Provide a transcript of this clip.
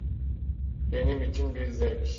Benim için bir zevk.